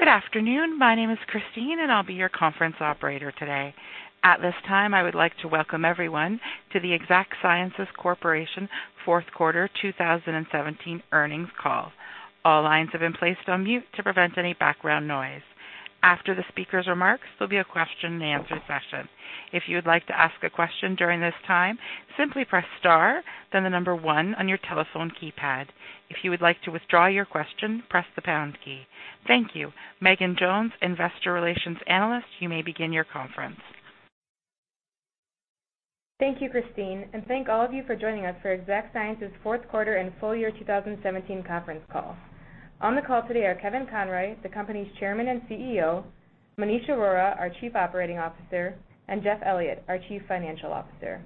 Good afternoon. My name is Christine, and I'll be your conference operator today. At this time, I would like to welcome everyone to the Exact Sciences Corporation fourth quarter 2017 earnings call. All lines have been placed on mute to prevent any background noise. After the speaker's remarks, there'll be a question-and-answer session. If you would like to ask a question during this time, simply press star, then the number one on your telephone keypad. If you would like to withdraw your question, press the pound key. Thank you. Megan Jones, Investor Relations Analyst, you may begin your conference. Thank you, Christine, and thank all of you for joining us for Exact Sciences fourth quarter and full year 2017 conference call. On the call today are Kevin Conroy, the company's Chairman and CEO; Maneesh Arora, our Chief Operating Officer; and Jeff Elliott, our Chief Financial Officer.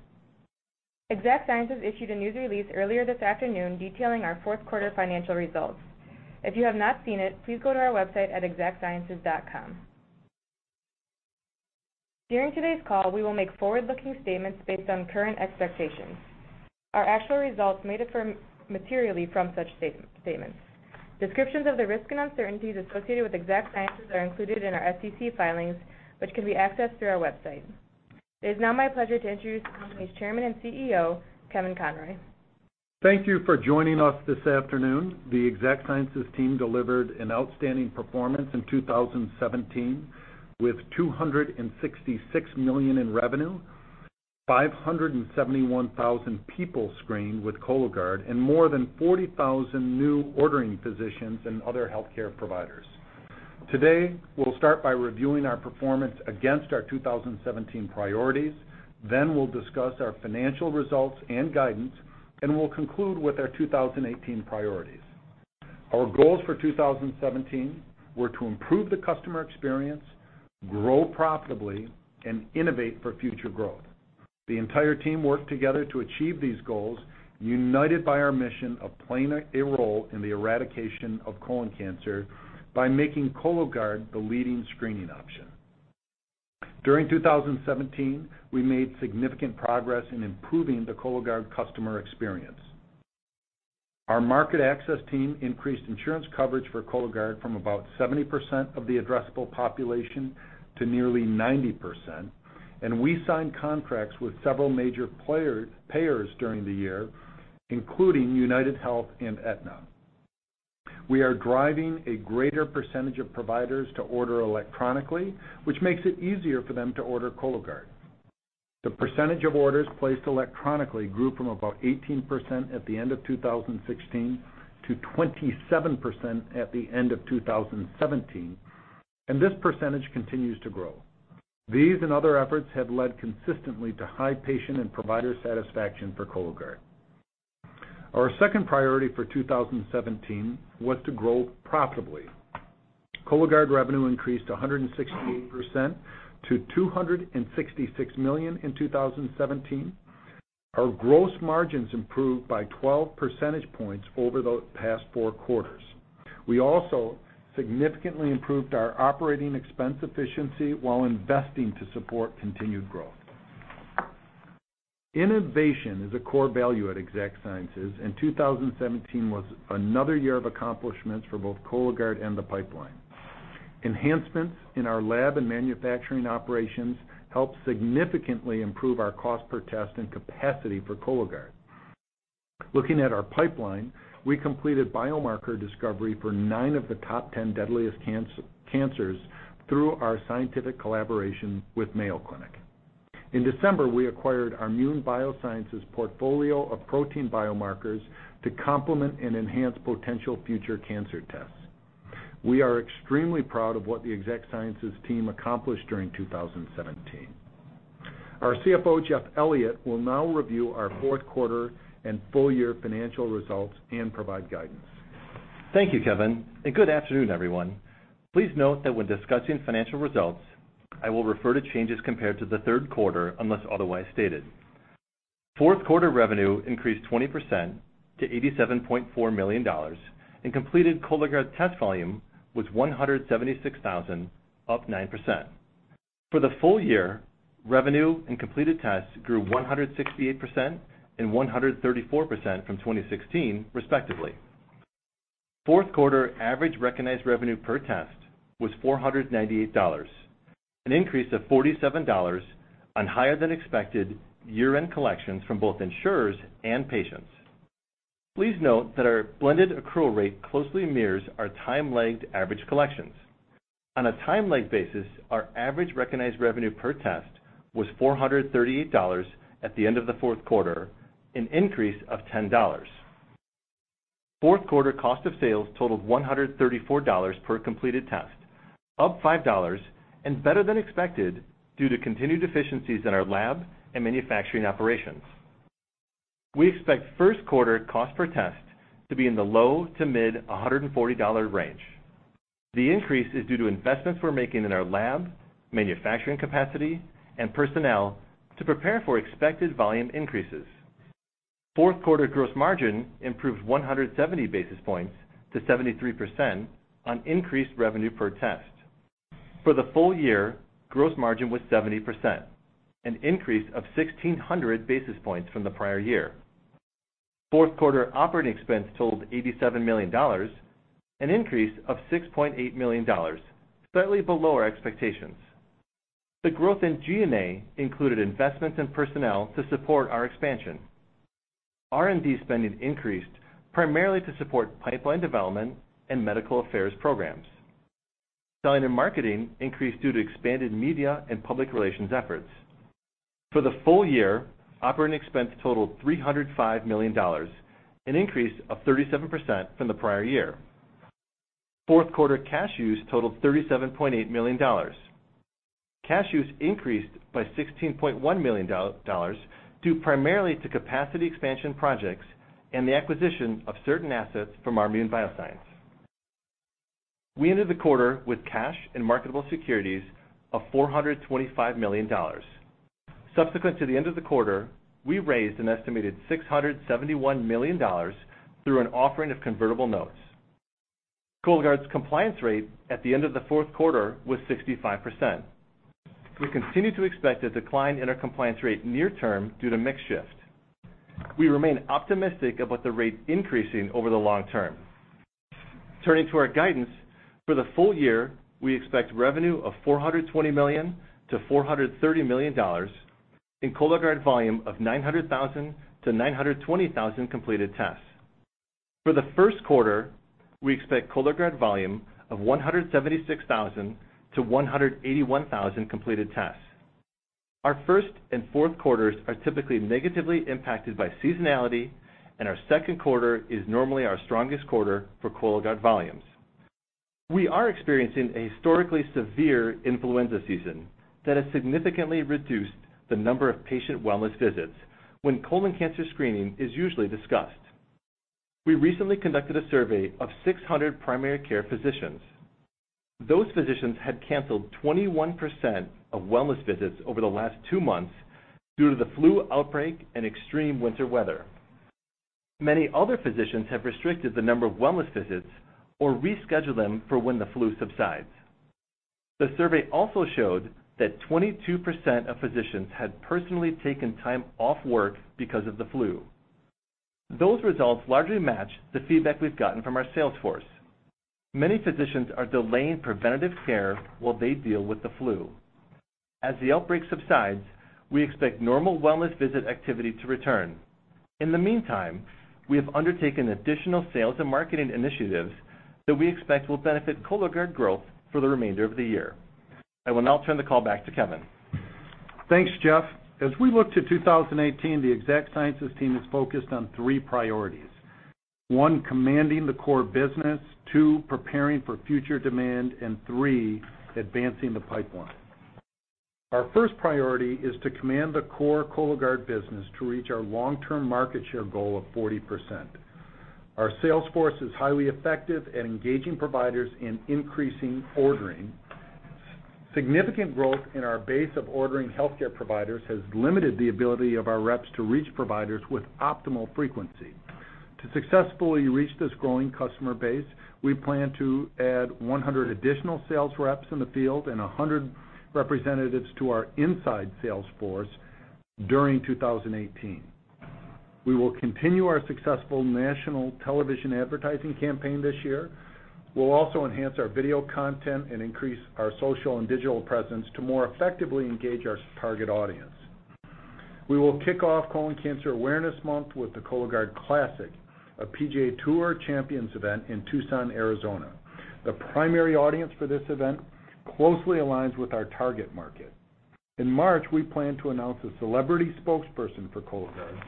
Exact Sciences issued a news release earlier this afternoon detailing our fourth quarter financial results. If you have not seen it, please go to our website at exactsciences.com. During today's call, we will make forward-looking statements based on current expectations. Our actual results may differ materially from such statements. Descriptions of the risk and uncertainties associated with Exact Sciences are included in our SEC filings, which can be accessed through our website. It is now my pleasure to introduce the company's Chairman and CEO, Kevin Conroy. Thank you for joining us this afternoon. The Exact Sciences team delivered an outstanding performance in 2017 with $266 million in revenue, 571,000 people screened with Cologuard, and more than 40,000 new ordering physicians and other healthcare providers. Today, we'll start by reviewing our performance against our 2017 priorities, then we'll discuss our financial results and guidance, and we'll conclude with our 2018 priorities. Our goals for 2017 were to improve the customer experience, grow profitably, and innovate for future growth. The entire team worked together to achieve these goals, united by our mission of playing a role in the eradication of colon cancer by making Cologuard the leading screening option. During 2017, we made significant progress in improving the Cologuard customer experience. Our market access team increased insurance coverage for Cologuard from about 70% of the addressable population to nearly 90%, and we signed contracts with several major payers during the year, including UnitedHealth and Aetna. We are driving a greater percentage of providers to order electronically, which makes it easier for them to order Cologuard. The percentage of orders placed electronically grew from about 18% at the end of 2016 to 27% at the end of 2017, and this percentage continues to grow. These and other efforts have led consistently to high patient and provider satisfaction for Cologuard. Our second priority for 2017 was to grow profitably. Cologuard revenue increased 168% to $266 million in 2017. Our gross margins improved by 12 percentage points over the past four quarters. We also significantly improved our operating expense efficiency while investing to support continued growth. Innovation is a core value at Exact Sciences, and 2017 was another year of accomplishments for both Cologuard and the pipeline. Enhancements in our lab and manufacturing operations helped significantly improve our cost per test and capacity for Cologuard. Looking at our pipeline, we completed biomarker discovery for nine of the top 10 deadliest cancers through our scientific collaboration with Mayo Clinic. In December, we acquired our Immune Biosciences portfolio of protein biomarkers to complement and enhance potential future cancer tests. We are extremely proud of what the Exact Sciences team accomplished during 2017. Our CFO, Jeff Elliott, will now review our fourth quarter and full year financial results and provide guidance. Thank you, Kevin, and good afternoon, everyone. Please note that when discussing financial results, I will refer to changes compared to the third quarter unless otherwise stated. Fourth quarter revenue increased 20% to $87.4 million, and completed Cologuard test volume was 176,000, up 9%. For the full year, revenue and completed tests grew 168% and 134% from 2016, respectively. Fourth quarter average recognized revenue per test was $498, an increase of $47 on higher than expected year-end collections from both insurers and patients. Please note that our blended accrual rate closely mirrors our time-lagged average collections. On a time-lagged basis, our average recognized revenue per test was $438 at the end of the fourth quarter, an increase of $10. Fourth quarter cost of sales totaled $134 per completed test, up $5 and better than expected due to continued deficiencies in our lab and manufacturing operations. We expect first quarter cost per test to be in the low to mid $140 range. The increase is due to investments we're making in our lab, manufacturing capacity, and personnel to prepare for expected volume increases. Fourth quarter gross margin improved 170 basis points to 73% on increased revenue per test. For the full year, gross margin was 70%, an increase of 1,600 basis points from the prior year. Fourth quarter operating expense totaled $87 million, an increase of $6.8 million, slightly below our expectations. The growth in G&A included investments in personnel to support our expansion. R&D spending increased primarily to support pipeline development and medical affairs programs. Selling and marketing increased due to expanded media and public relations efforts. For the full year, operating expense totaled $305 million, an increase of 37% from the prior year. Fourth quarter cash use totaled $37.8 million. Cash use increased by $16.1 million due primarily to capacity expansion projects and the acquisition of certain assets from Immune Biosciences. We ended the quarter with cash and marketable securities of $425 million. Subsequent to the end of the quarter, we raised an estimated $671 million through an offering of convertible notes. Cologuard's compliance rate at the end of the fourth quarter was 65%. We continue to expect a decline in our compliance rate near term due to mix shift. We remain optimistic about the rate increasing over the long term. Turning to our guidance, for the full year, we expect revenue of $420 million-$430 million and Cologuard volume of 900,000-920,000 completed tests. For the first quarter, we expect Cologuard volume of 176,000-181,000 completed tests. Our first and fourth quarters are typically negatively impacted by seasonality, and our second quarter is normally our strongest quarter for Cologuard volumes. We are experiencing a historically severe influenza season that has significantly reduced the number of patient wellness visits when colon cancer screening is usually discussed. We recently conducted a survey of 600 primary care physicians. Those physicians had canceled 21% of wellness visits over the last two months due to the flu outbreak and extreme winter weather. Many other physicians have restricted the number of wellness visits or rescheduled them for when the flu subsides. The survey also showed that 22% of physicians had personally taken time off work because of the flu. Those results largely match the feedback we've gotten from our sales force. Many physicians are delaying preventative care while they deal with the flu. As the outbreak subsides, we expect normal wellness visit activity to return. In the meantime, we have undertaken additional sales and marketing initiatives that we expect will benefit Cologuard growth for the remainder of the year. I will now turn the call back to Kevin. Thanks, Jeff. As we look to 2018, the Exact Sciences team is focused on three priorities: one, commanding the core business; two, preparing for future demand; and three, advancing the pipeline. Our first priority is to command the core Cologuard business to reach our long-term market share goal of 40%. Our sales force is highly effective at engaging providers in increasing ordering. Significant growth in our base of ordering healthcare providers has limited the ability of our reps to reach providers with optimal frequency. To successfully reach this growing customer base, we plan to add 100 additional sales reps in the field and 100 representatives to our inside sales force during 2018. We will continue our successful national television advertising campaign this year. We'll also enhance our video content and increase our social and digital presence to more effectively engage our target audience. We will kick off Colon Cancer Awareness Month with the Cologuard Classic, a PGA Tour Champions event in Tucson, Arizona. The primary audience for this event closely aligns with our target market. In March, we plan to announce a celebrity spokesperson for Cologuard.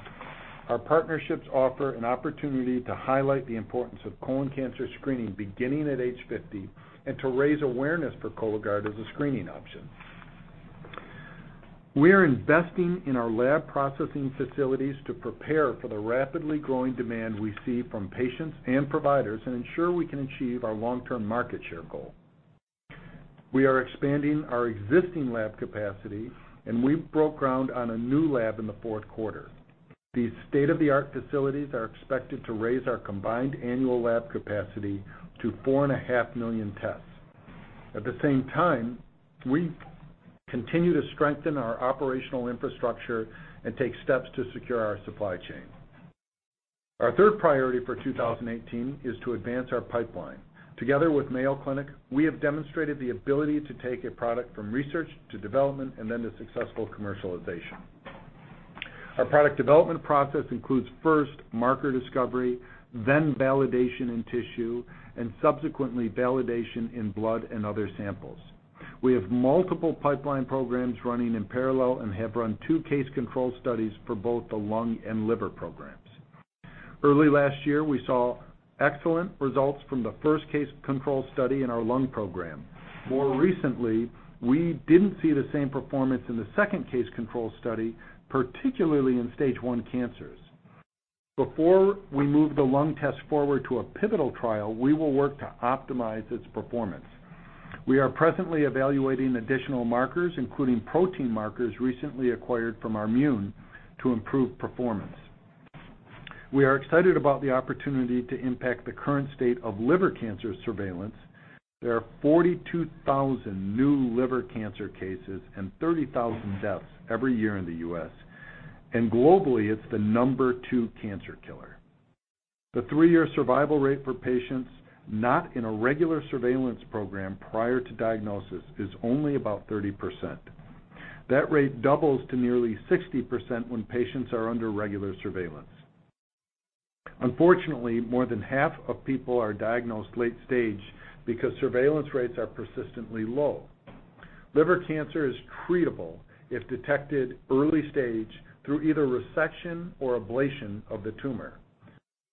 Our partnerships offer an opportunity to highlight the importance of colon cancer screening beginning at age 50 and to raise awareness for Cologuard as a screening option. We are investing in our lab processing facilities to prepare for the rapidly growing demand we see from patients and providers and ensure we can achieve our long-term market share goal. We are expanding our existing lab capacity, and we broke ground on a new lab in the fourth quarter. These state-of-the-art facilities are expected to raise our combined annual lab capacity to 4.5 million tests. At the same time, we continue to strengthen our operational infrastructure and take steps to secure our supply chain. Our third priority for 2018 is to advance our pipeline. Together with Mayo Clinic, we have demonstrated the ability to take a product from research to development and then to successful commercialization. Our product development process includes first marker discovery, then validation in tissue, and subsequently validation in blood and other samples. We have multiple pipeline programs running in parallel and have run two case control studies for both the lung and liver programs. Early last year, we saw excellent results from the first case control study in our lung program. More recently, we did not see the same performance in the second case control study, particularly in stage one cancers. Before we move the lung test forward to a pivotal trial, we will work to optimize its performance. We are presently evaluating additional markers, including protein markers recently acquired from Immune to improve performance. We are excited about the opportunity to impact the current state of liver cancer surveillance. There are 42,000 new liver cancer cases and 30,000 deaths every year in the U.S., and globally, it's the number two cancer killer. The three-year survival rate for patients not in a regular surveillance program prior to diagnosis is only about 30%. That rate doubles to nearly 60% when patients are under regular surveillance. Unfortunately, more than half of people are diagnosed late stage because surveillance rates are persistently low. Liver cancer is treatable if detected early stage through either resection or ablation of the tumor.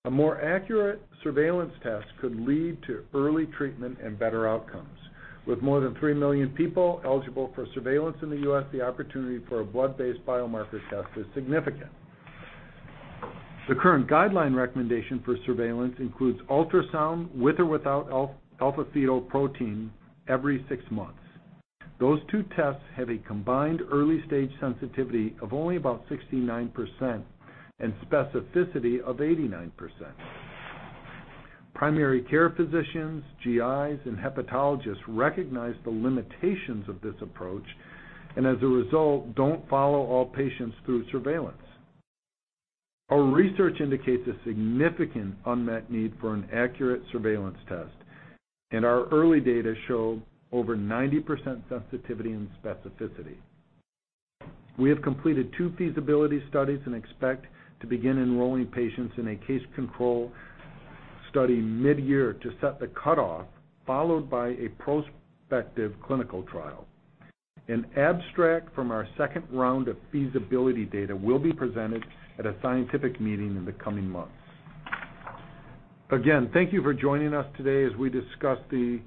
A more accurate surveillance test could lead to early treatment and better outcomes. With more than 3 million people eligible for surveillance in the U.S., the opportunity for a blood-based biomarker test is significant. The current guideline recommendation for surveillance includes ultrasound with or without alpha-fetoprotein every six months. Those two tests have a combined early stage sensitivity of only about 69% and specificity of 89%. Primary care physicians, GIs, and hepatologists recognize the limitations of this approach and, as a result, do not follow all patients through surveillance. Our research indicates a significant unmet need for an accurate surveillance test, and our early data show over 90% sensitivity and specificity. We have completed two feasibility studies and expect to begin enrolling patients in a case-control study mid-year to set the cutoff, followed by a prospective clinical trial. An abstract from our second round of feasibility data will be presented at a scientific meeting in the coming months. Again, thank you for joining us today as we discussed the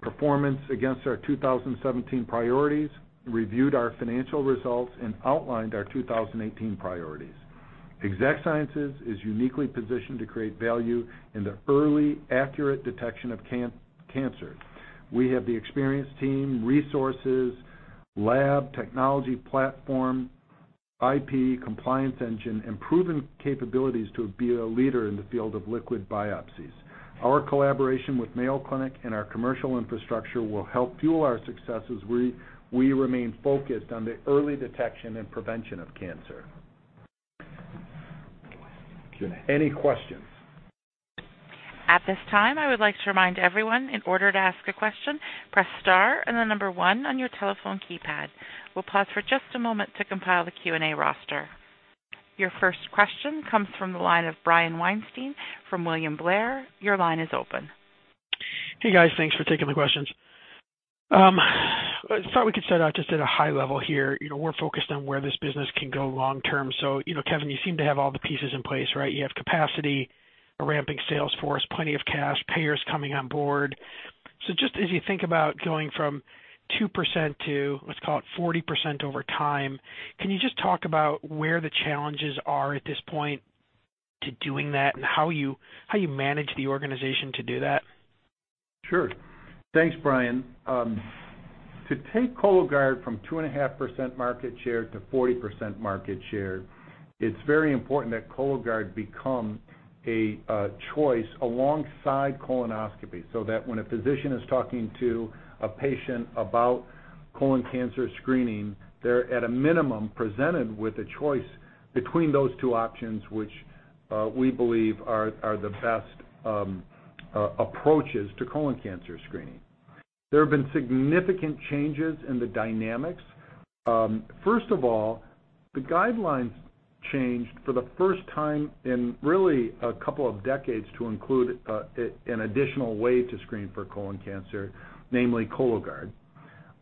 performance against our 2017 priorities, reviewed our financial results, and outlined our 2018 priorities. Exact Sciences is uniquely positioned to create value in the early accurate detection of cancer. We have the experienced team, resources, lab, technology platform, IP, compliance engine, and proven capabilities to be a leader in the field of liquid biopsies. Our collaboration with Mayo Clinic and our commercial infrastructure will help fuel our success as we remain focused on the early detection and prevention of cancer. Any questions? At this time, I would like to remind everyone in order to ask a question, press star and the number one on your telephone keypad. We'll pause for just a moment to compile the Q&A roster. Your first question comes from the line of Brian Weinstein from William Blair. Your line is open. Hey, guys. Thanks for taking the questions. I thought we could set out just at a high level here. We're focused on where this business can go long term. Kevin, you seem to have all the pieces in place, right? You have capacity, a ramping sales force, plenty of cash, payers coming on board. Just as you think about going from 2% to, let's call it, 40% over time, can you just talk about where the challenges are at this point to doing that and how you manage the organization to do that? Sure. Thanks, Brian. To take Cologuard from 2.5% market share to 40% market share, it's very important that Cologuard become a choice alongside colonoscopy so that when a physician is talking to a patient about colon cancer screening, they're, at a minimum, presented with a choice between those two options, which we believe are the best approaches to colon cancer screening. There have been significant changes in the dynamics. First of all, the guidelines changed for the first time in really a couple of decades to include an additional way to screen for colon cancer, namely Cologuard.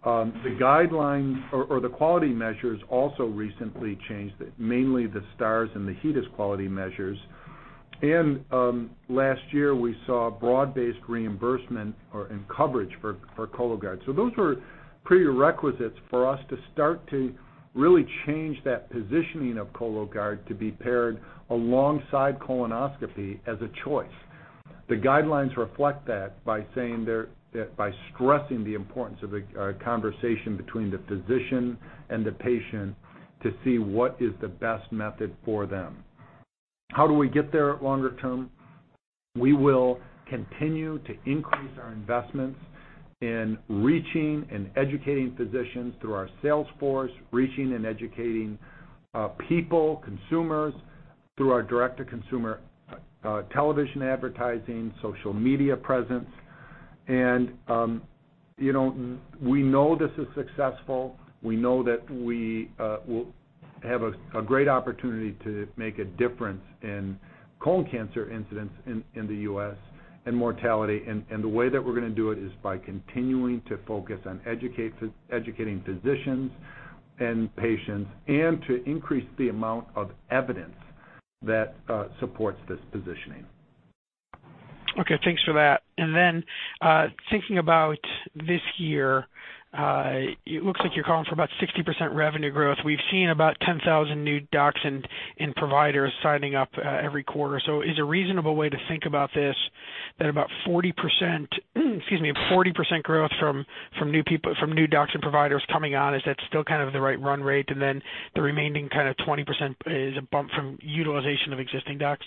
The guidelines or the quality measures also recently changed, mainly the Stars and the HEDIS quality measures. Last year, we saw broad-based reimbursement and coverage for Cologuard. Those were prerequisites for us to start to really change that positioning of Cologuard to be paired alongside colonoscopy as a choice. The guidelines reflect that by stressing the importance of a conversation between the physician and the patient to see what is the best method for them. How do we get there longer term? We will continue to increase our investments in reaching and educating physicians through our sales force, reaching and educating people, consumers, through our direct-to-consumer television advertising, social media presence. We know this is successful. We know that we will have a great opportunity to make a difference in colon cancer incidence in the U.S. and mortality. The way that we're going to do it is by continuing to focus on educating physicians and patients and to increase the amount of evidence that supports this positioning. Okay. Thanks for that. And then thinking about this year, it looks like you're calling for about 60% revenue growth. We've seen about 10,000 new docs and providers signing up every quarter. So is a reasonable way to think about this that about 40%—excuse me—40% growth from new docs and providers coming on, is that still kind of the right run rate? And then the remaining kind of 20% is a bump from utilization of existing docs?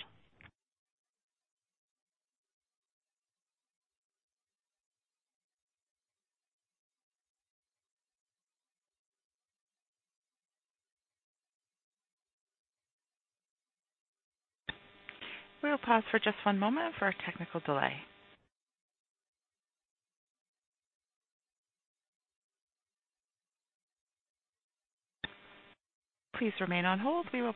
We'll pause for just one moment for a technical delay. Please remain on hold. You will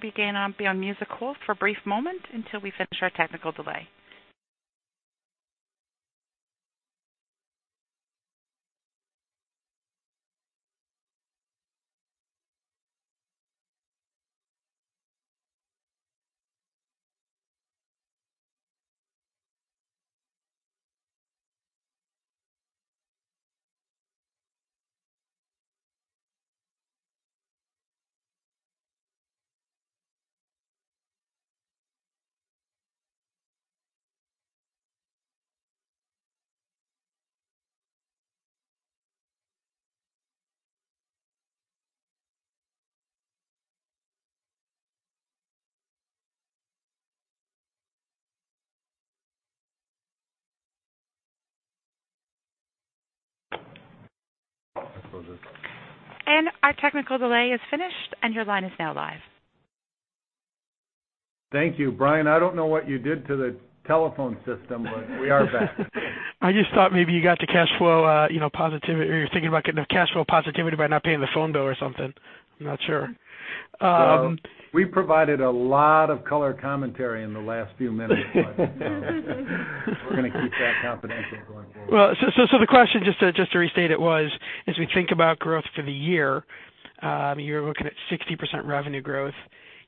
be getting on Beyond Music hold for a brief moment until we finish our technical delay. Our technical delay is finished, and your line is now live. Thank you. Brian, I don't know what you did to the telephone system, but we are back. I just thought maybe you got the cash flow positivity or you're thinking about getting the cash flow positivity by not paying the phone bill or something. I'm not sure. We provided a lot of color commentary in the last few minutes, but we're going to keep that confidential going forward. The question, just to restate it, was as we think about growth for the year, you're looking at 60% revenue growth.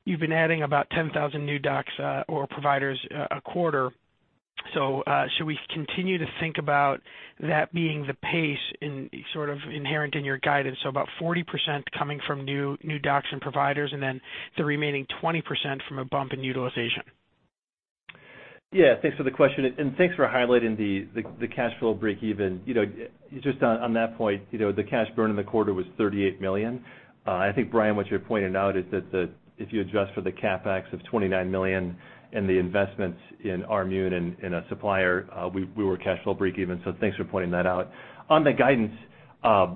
You've been adding about 10,000 new docs or providers a quarter. Should we continue to think about that being the pace sort of inherent in your guidance, so about 40% coming from new docs and providers and then the remaining 20% from a bump in utilization? Yeah. Thanks for the question. Thanks for highlighting the cash flow break-even. Just on that point, the cash burn in the quarter was $38 million. I think, Brian, what you're pointing out is that if you adjust for the CapEx of $29 million and the investments in our immune and a supplier, we were cash flow break-even. Thanks for pointing that out. On the guidance,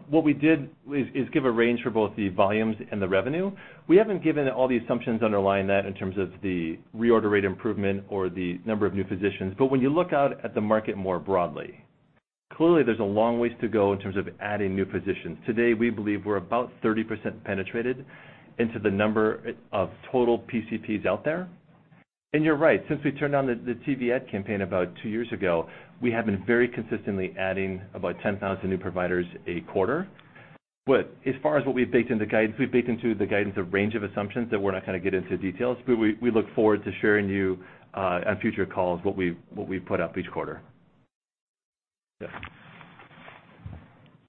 what we did is give a range for both the volumes and the revenue. We haven't given all the assumptions underlying that in terms of the reorder rate improvement or the number of new physicians. When you look out at the market more broadly, clearly there's a long ways to go in terms of adding new physicians. Today, we believe we're about 30% penetrated into the number of total PCPs out there. You're right. Since we turned on the TV ad campaign about two years ago, we have been very consistently adding about 10,000 new providers a quarter. As far as what we've baked into the guidance, we've baked into the guidance a range of assumptions that we're not going to get into details. We look forward to sharing with you on future calls what we put up each quarter.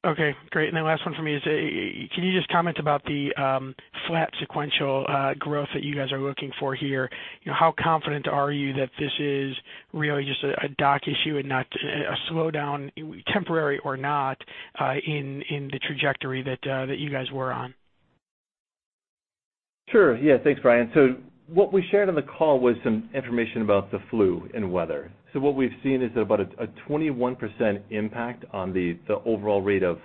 Okay. Great. And then last one for me is can you just comment about the flat sequential growth that you guys are looking for here? How confident are you that this is really just a doc issue and not a slowdown, temporary or not, in the trajectory that you guys were on? Sure. Yeah. Thanks, Brian. What we shared on the call was some information about the flu and weather. What we've seen is about a 21% impact on the overall rate of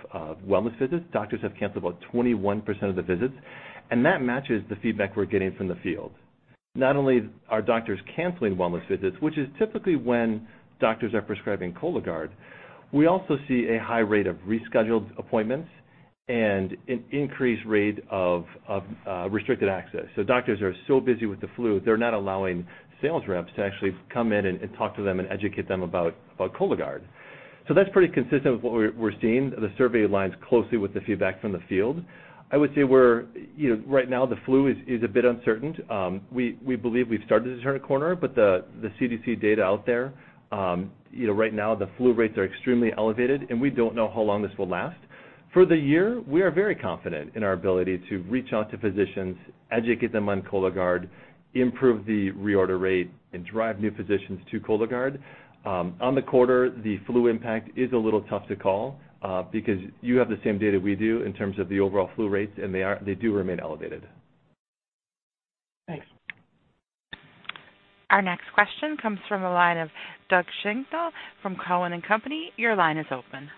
wellness visits. Doctors have canceled about 21% of the visits. That matches the feedback we're getting from the field. Not only are doctors canceling wellness visits, which is typically when doctors are prescribing Cologuard, we also see a high rate of rescheduled appointments and an increased rate of restricted access. Doctors are so busy with the flu, they're not allowing sales reps to actually come in and talk to them and educate them about Cologuard. That's pretty consistent with what we're seeing. The survey aligns closely with the feedback from the field. I would say right now, the flu is a bit uncertain. We believe we've started to turn a corner, but the CDC data out there, right now, the flu rates are extremely elevated, and we don't know how long this will last. For the year, we are very confident in our ability to reach out to physicians, educate them on Cologuard, improve the reorder rate, and drive new physicians to Cologuard. On the quarter, the flu impact is a little tough to call because you have the same data we do in terms of the overall flu rates, and they do remain elevated. Thanks. Our next question comes from the line of Doug Schenkel from Cowen and Company. Your line is open.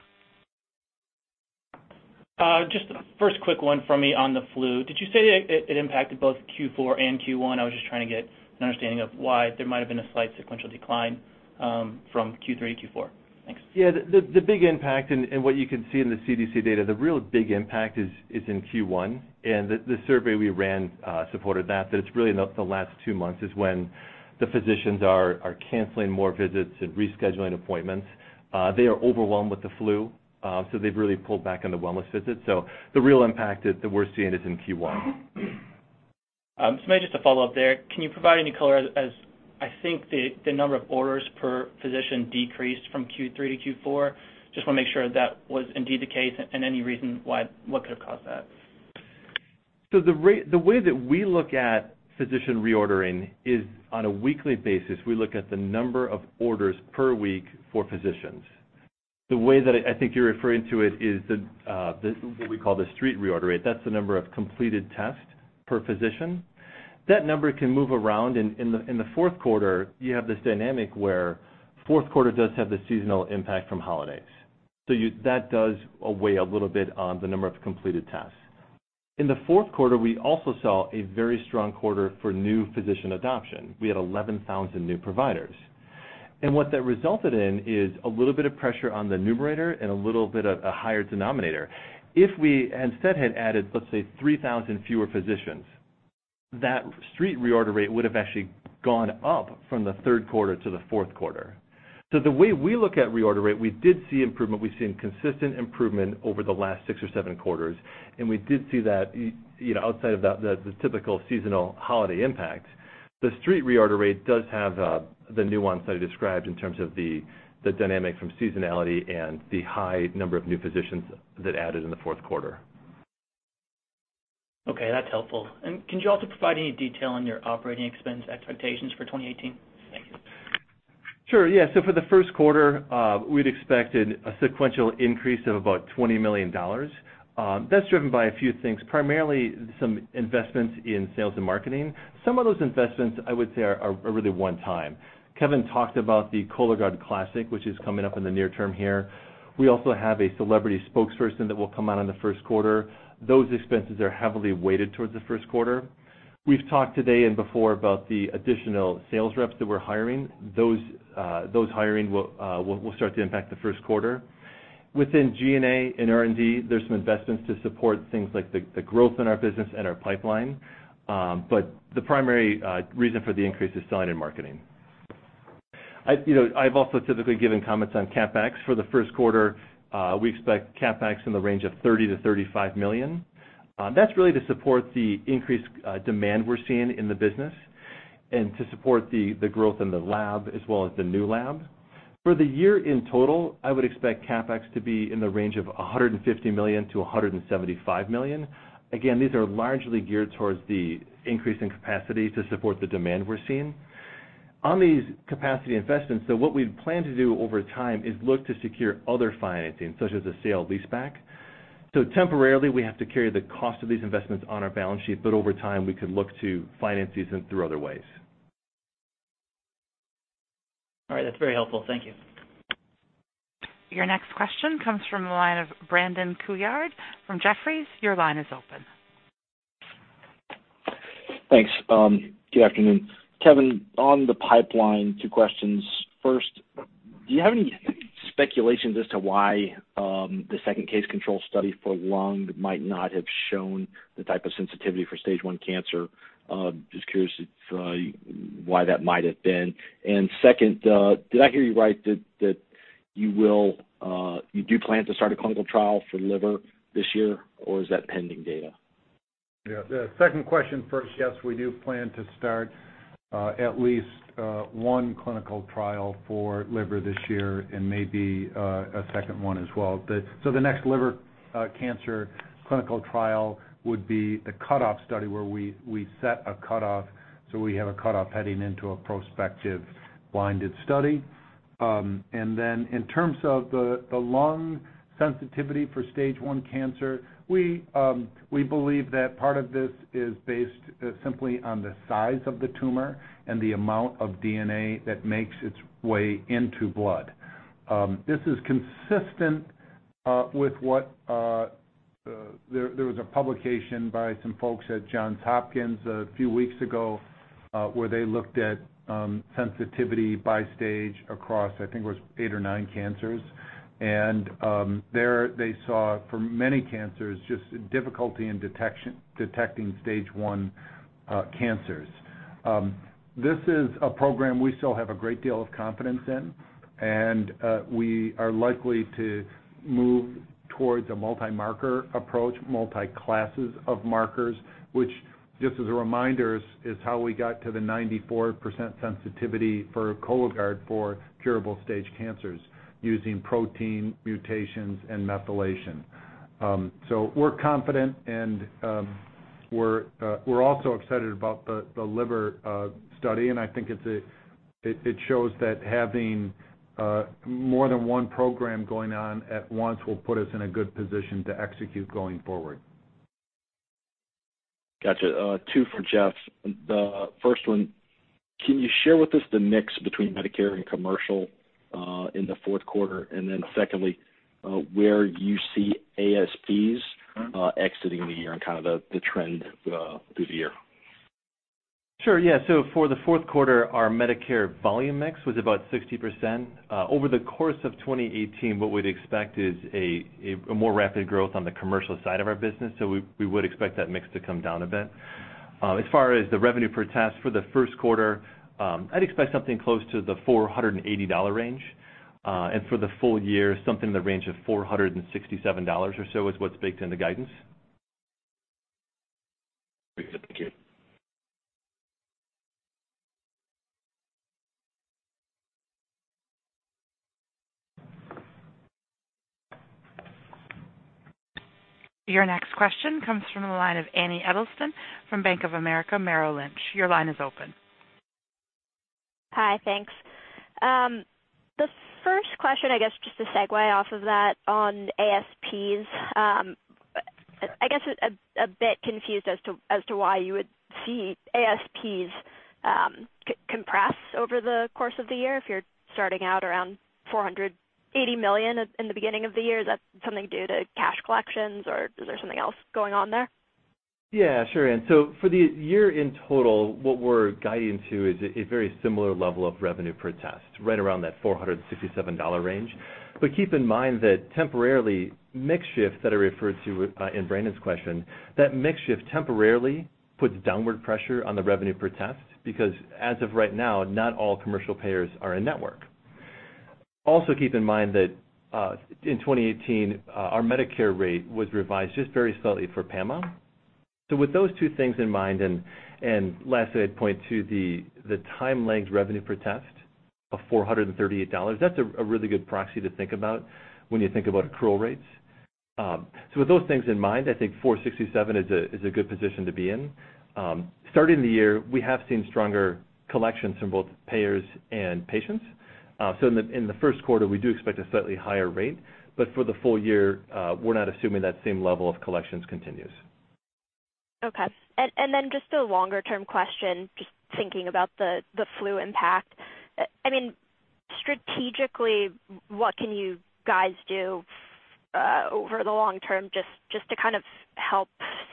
Just a first quick one from me on the flu. Did you say it impacted both Q4 and Q1? I was just trying to get an understanding of why there might have been a slight sequential decline from Q3 to Q4. Thanks. Yeah. The big impact and what you can see in the CDC data, the real big impact is in Q1. The survey we ran supported that. It's really the last two months when the physicians are canceling more visits and rescheduling appointments. They are overwhelmed with the flu, so they've really pulled back on the wellness visits. The real impact that we're seeing is in Q1. Maybe just to follow up there, can you provide any color as I think the number of orders per physician decreased from Q3-Q4? Just want to make sure that was indeed the case and any reason what could have caused that. The way that we look at physician reordering is on a weekly basis. We look at the number of orders per week for physicians. The way that I think you're referring to it is what we call the street reorder rate. That's the number of completed tests per physician. That number can move around. In the fourth quarter, you have this dynamic where fourth quarter does have the seasonal impact from holidays. That does weigh a little bit on the number of completed tests. In the fourth quarter, we also saw a very strong quarter for new physician adoption. We had 11,000 new providers. What that resulted in is a little bit of pressure on the numerator and a little bit of a higher denominator. If we instead had added, let's say, 3,000 fewer physicians, that street reorder rate would have actually gone up from the third quarter to the fourth quarter. The way we look at reorder rate, we did see improvement. We've seen consistent improvement over the last six or seven quarters. We did see that outside of the typical seasonal holiday impact. The street reorder rate does have the nuance that I described in terms of the dynamic from seasonality and the high number of new physicians that added in the fourth quarter. Okay. That's helpful. Can you also provide any detail on your operating expense expectations for 2018? Thank you. Sure. Yeah. For the first quarter, we'd expected a sequential increase of about $20 million. That's driven by a few things, primarily some investments in sales and marketing. Some of those investments, I would say, are really one-time. Kevin talked about the Cologuard Classic, which is coming up in the near term here. We also have a celebrity spokesperson that will come out in the first quarter. Those expenses are heavily weighted towards the first quarter. We've talked today and before about the additional sales reps that we're hiring. Those hiring will start to impact the first quarter. Within G&A and R&D, there's some investments to support things like the growth in our business and our pipeline. The primary reason for the increase is selling and marketing. I've also typically given comments on CapEx. For the first quarter, we expect CapEx in the range of $30 million-$35 million. That's really to support the increased demand we're seeing in the business and to support the growth in the lab as well as the new lab. For the year in total, I would expect CapEx to be in the range of $150 million-$175 million. Again, these are largely geared towards the increase in capacity to support the demand we're seeing. On these capacity investments, what we've planned to do over time is look to secure other financing, such as a sale lease back. Temporarily, we have to carry the cost of these investments on our balance sheet, but over time, we could look to finance these through other ways. All right. That's very helpful. Thank you. Your next question comes from the line of Brandon Couillard from Jefferies. Your line is open. Thanks. Good afternoon. Kevin, on the pipeline, two questions. First, do you have any speculations as to why the second case-control study for lung might not have shown the type of sensitivity for stage one cancer? Just curious why that might have been. Second, did I hear you right that you do plan to start a clinical trial for liver this year, or is that pending data? Yeah. The second question first, yes, we do plan to start at least one clinical trial for liver this year and maybe a second one as well. The next liver cancer clinical trial would be the cutoff study where we set a cutoff so we have a cutoff heading into a prospective blinded study. In terms of the lung sensitivity for stage one cancer, we believe that part of this is based simply on the size of the tumor and the amount of DNA that makes its way into blood. This is consistent with what there was a publication by some folks at Johns Hopkins a few weeks ago where they looked at sensitivity by stage across, I think it was eight or nine cancers. There, they saw for many cancers just difficulty in detecting stage one cancers. This is a program we still have a great deal of confidence in, and we are likely to move towards a multi-marker approach, multi-classes of markers, which, just as a reminder, is how we got to the 94% sensitivity for Cologuard for curable stage cancers using protein mutations and methylation. We are confident, and we are also excited about the liver study. I think it shows that having more than one program going on at once will put us in a good position to execute going forward. Gotcha. Two for Jeff. The first one, can you share with us the mix between Medicare and commercial in the fourth quarter? And then secondly, where you see ASPs exiting the year and kind of the trend through the year? Sure. Yeah. For the fourth quarter, our Medicare volume mix was about 60%. Over the course of 2018, what we'd expect is a more rapid growth on the commercial side of our business. We would expect that mix to come down a bit. As far as the revenue per test for the first quarter, I'd expect something close to the $480 range. For the full year, something in the range of $467 or so is what's baked in the guidance. Great. Thank you. Your next question comes from the line of Anne Edelstein from Bank of America Merrill Lynch. Your line is open. Hi. Thanks. The first question, I guess, just to segue off of that on ASPs, I guess a bit confused as to why you would see ASPs compress over the course of the year if you're starting out around $480 million in the beginning of the year. Is that something due to cash collections, or is there something else going on there? Yeah. Sure. And so for the year in total, what we're guiding to is a very similar level of revenue per test, right around that $467 range. But keep in mind that temporarily, mix shifts that are referred to in Brandon's question, that mix shift temporarily puts downward pressure on the revenue per test because, as of right now, not all commercial payers are in network. Also, keep in mind that in 2018, our Medicare rate was revised just very slightly for PAMA. So with those two things in mind, and lastly, I'd point to the time-lagged revenue per test of $438, that's a really good proxy to think about when you think about accrual rates. So with those things in mind, I think 467 is a good position to be in. Starting the year, we have seen stronger collections from both payers and patients. In the first quarter, we do expect a slightly higher rate. For the full year, we're not assuming that same level of collections continues. Okay. And then just a longer-term question, just thinking about the flu impact. I mean, strategically, what can you guys do over the long term just to kind of help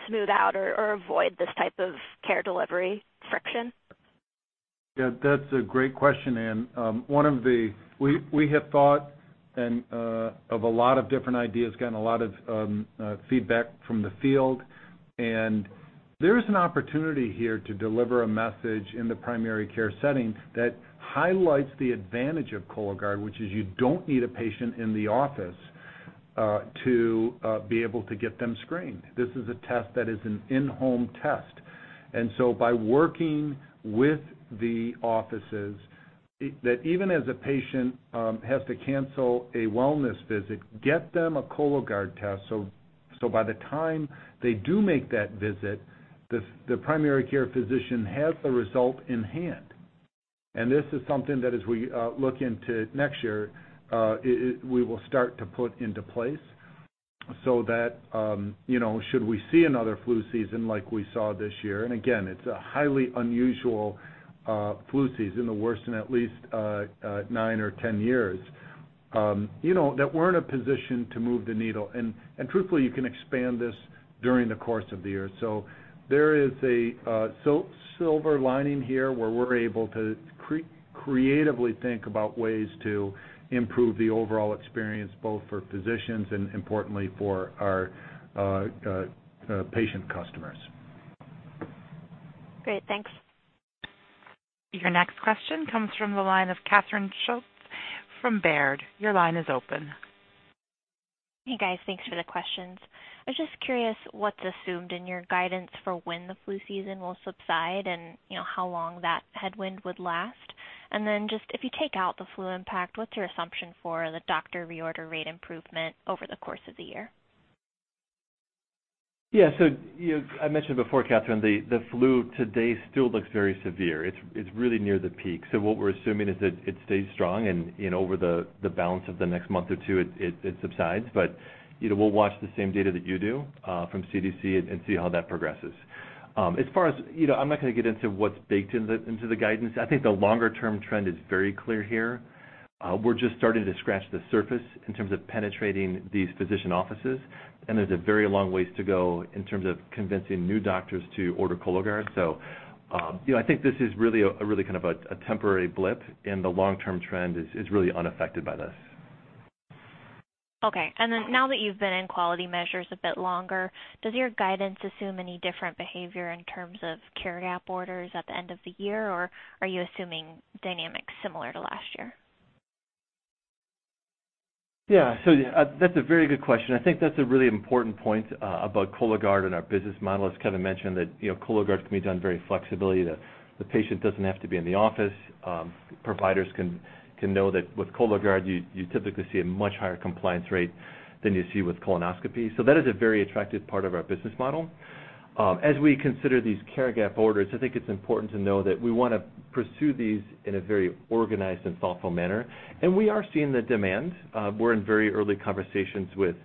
smooth out or avoid this type of care delivery friction? Yeah. That's a great question. One of the—we have thought of a lot of different ideas, gotten a lot of feedback from the field. There is an opportunity here to deliver a message in the primary care setting that highlights the advantage of Cologuard, which is you don't need a patient in the office to be able to get them screened. This is a test that is an in-home test. By working with the offices, even as a patient has to cancel a wellness visit, get them a Cologuard test so by the time they do make that visit, the primary care physician has the result in hand. This is something that, as we look into next year, we will start to put into place so that should we see another flu season like we saw this year—again, it is a highly unusual flu season, the worst in at least 9 or 10 years—we are in a position to move the needle. Truthfully, you can expand this during the course of the year. There is a silver lining here where we are able to creatively think about ways to improve the overall experience both for physicians and, importantly, for our patient customers. Great. Thanks. Your next question comes from the line of Catherine Schulte from Baird. Your line is open. Hey, guys. Thanks for the questions. I was just curious what's assumed in your guidance for when the flu season will subside and how long that headwind would last. Then just if you take out the flu impact, what's your assumption for the doctor reorder rate improvement over the course of the year? Yeah. I mentioned before, Catherine, the flu today still looks very severe. It's really near the peak. What we're assuming is that it stays strong. Over the balance of the next month or two, it subsides. We'll watch the same data that you do from CDC and see how that progresses. As far as I'm not going to get into what's baked into the guidance. I think the longer-term trend is very clear here. We're just starting to scratch the surface in terms of penetrating these physician offices. There's a very long ways to go in terms of convincing new doctors to order Cologuard. I think this is really a really kind of a temporary blip, and the long-term trend is really unaffected by this. Okay. Now that you've been in quality measures a bit longer, does your guidance assume any different behavior in terms of care gap orders at the end of the year, or are you assuming dynamics similar to last year? Yeah. So that's a very good question. I think that's a really important point about Cologuard and our business model. As Kevin mentioned, Cologuard can be done very flexibly. The patient doesn't have to be in the office. Providers can know that with Cologuard, you typically see a much higher compliance rate than you see with colonoscopy. That is a very attractive part of our business model. As we consider these care gap orders, I think it's important to know that we want to pursue these in a very organized and thoughtful manner. We are seeing the demand. We're in very early conversations with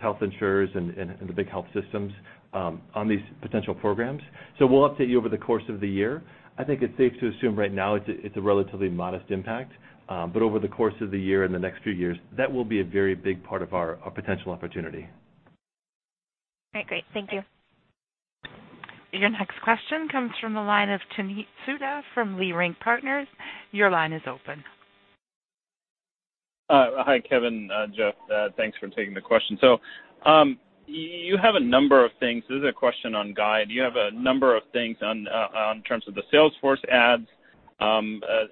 health insurers and the big health systems on these potential programs. We'll update you over the course of the year. I think it's safe to assume right now it's a relatively modest impact. Over the course of the year and the next few years, that will be a very big part of our potential opportunity. All right. Great. Thank you. Your next question comes from the line of Puneet Souda from Leerink Partners. Your line is open. Hi, Kevin, Jeff. Thanks for taking the question. You have a number of things. This is a question on guide. You have a number of things in terms of the Salesforce ads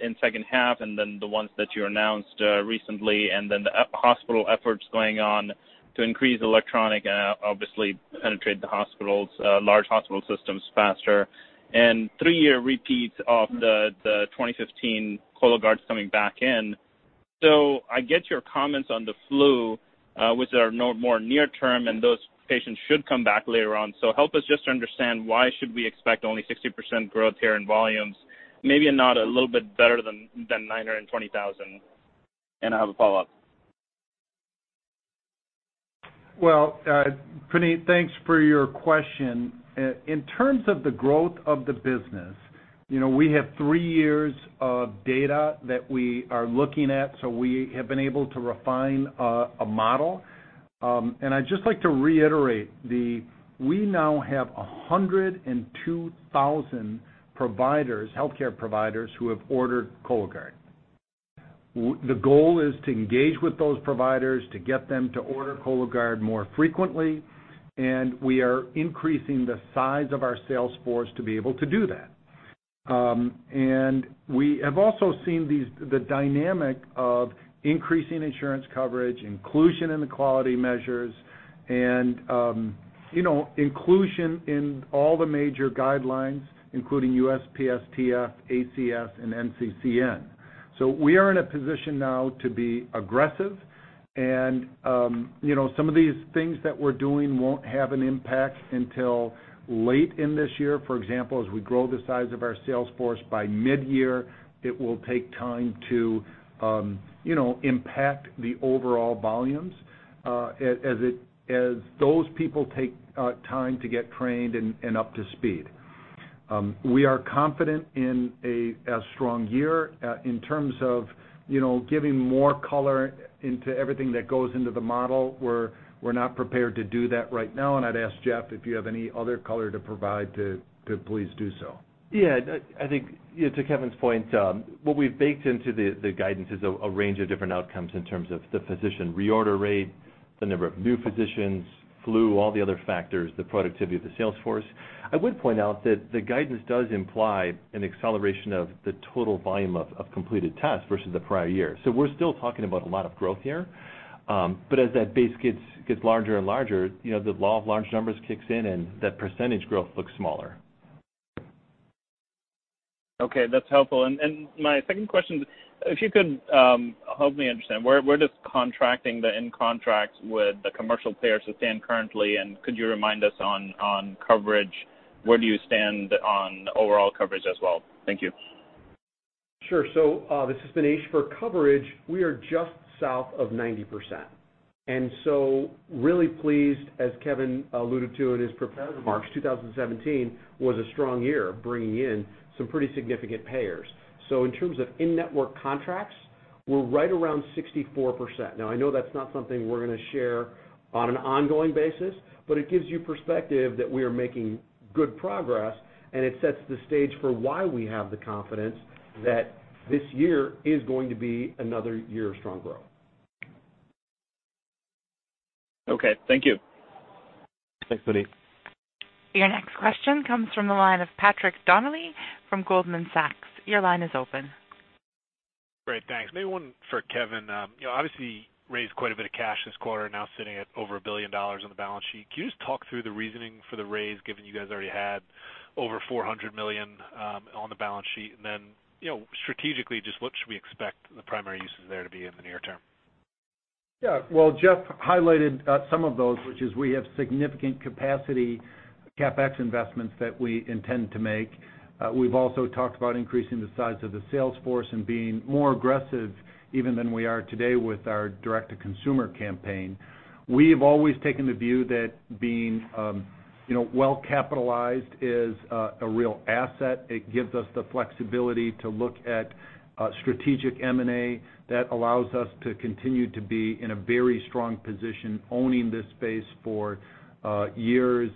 in second half and then the ones that you announced recently and then the hospital efforts going on to increase electronic and obviously penetrate the large hospital systems faster. And three-year repeat of the 2015 Cologuard coming back in. I get your comments on the flu, which are more near-term, and those patients should come back later on. Help us just to understand why should we expect only 60% growth here in volumes, maybe not a little bit better than 920,000? I have a follow-up. Puneet, thanks for your question. In terms of the growth of the business, we have three years of data that we are looking at. We have been able to refine a model. I'd just like to reiterate that we now have 102,000 healthcare providers who have ordered Cologuard. The goal is to engage with those providers, to get them to order Cologuard more frequently. We are increasing the size of our Salesforce to be able to do that. We have also seen the dynamic of increasing insurance coverage, inclusion in the quality measures, and inclusion in all the major guidelines, including USPSTF, ACS, and NCCN. We are in a position now to be aggressive. Some of these things that we're doing will not have an impact until late in this year. For example, as we grow the size of our Salesforce, by mid-year, it will take time to impact the overall volumes as those people take time to get trained and up to speed. We are confident in a strong year in terms of giving more color into everything that goes into the model. We are not prepared to do that right now. I would ask Jeff if you have any other color to provide, to please do so. Yeah. I think to Kevin's point, what we've baked into the guidance is a range of different outcomes in terms of the physician reorder rate, the number of new physicians, flu, all the other factors, the productivity of the Salesforce. I would point out that the guidance does imply an acceleration of the total volume of completed tests versus the prior year. We are still talking about a lot of growth here. As that base gets larger and larger, the law of large numbers kicks in, and that percentage growth looks smaller. Okay. That's helpful. My second question, if you could help me understand, where does contracting the in-contract with the commercial payers stand currently? Could you remind us on coverage? Where do you stand on overall coverage as well? Thank you. Sure. Thanks Puneet, for coverage. We are just south of 90%. Really pleased, as Kevin alluded to in his preparatory remarks, 2017 was a strong year bringing in some pretty significant payers. In terms of in-network contracts, we are right around 64%. I know that is not something we are going to share on an ongoing basis, but it gives you perspective that we are making good progress, and it sets the stage for why we have the confidence that this year is going to be another year of strong growth. Okay. Thank you. Thanks, Puneet. Your next question comes from the line of Patrick Donnelly from Goldman Sachs. Your line is open. Great. Thanks. Maybe one for Kevin. Obviously, raised quite a bit of cash this quarter, now sitting at over $1 billion on the balance sheet. Can you just talk through the reasoning for the raise, given you guys already had over $400 million on the balance sheet? And then strategically, just what should we expect the primary uses there to be in the near term? Yeah. Jeff highlighted some of those, which is we have significant capacity CapEx investments that we intend to make. We've also talked about increasing the size of the Salesforce and being more aggressive even than we are today with our direct-to-consumer campaign. We have always taken the view that being well-capitalized is a real asset. It gives us the flexibility to look at strategic M&A that allows us to continue to be in a very strong position owning this space for years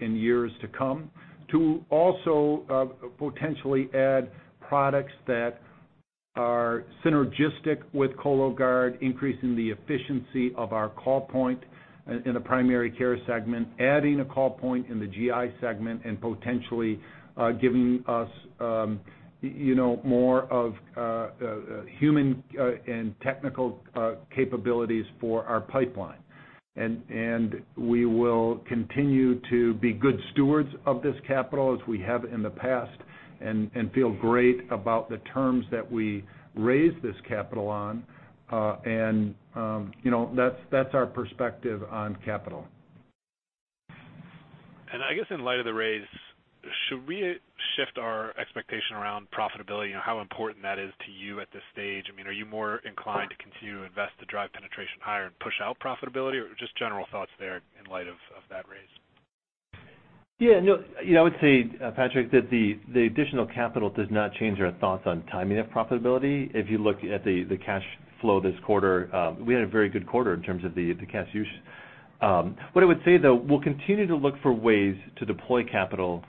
and years to come. To also potentially add products that are synergistic with Cologuard, increasing the efficiency of our call point in the primary care segment, adding a call point in the GI segment, and potentially giving us more of human and technical capabilities for our pipeline. We will continue to be good stewards of this capital as we have in the past and feel great about the terms that we raised this capital on. That is our perspective on capital. I guess in light of the raise, should we shift our expectation around profitability and how important that is to you at this stage? I mean, are you more inclined to continue to invest to drive penetration higher and push out profitability? Or just general thoughts there in light of that raise? Yeah. No, I would say, Patrick, that the additional capital does not change our thoughts on timing of profitability. If you look at the cash flow this quarter, we had a very good quarter in terms of the cash use. What I would say, though, is we'll continue to look for ways to deploy capital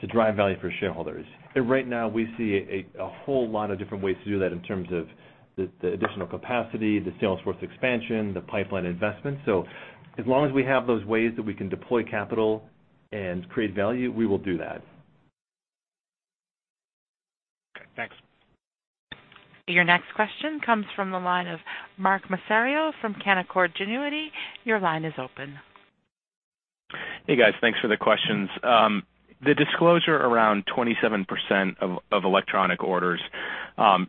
to drive value for shareholders. Right now, we see a whole lot of different ways to do that in terms of the additional capacity, the Salesforce expansion, the pipeline investment. As long as we have those ways that we can deploy capital and create value, we will do that. Okay. Thanks. Your next question comes from the line of Mark Massaro from Canaccord Genuity. Your line is open. Hey, guys. Thanks for the questions. The disclosure around 27% of electronic orders,